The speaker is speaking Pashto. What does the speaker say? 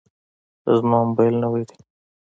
زما موبایل نوی دی.